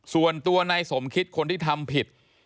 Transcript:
ส่วนตัวนายสมคิดคนที่ทำผิด